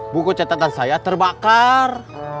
buku catatan saya terbakar